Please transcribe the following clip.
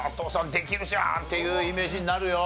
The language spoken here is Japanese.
できるじゃん！っていうイメージになるよ。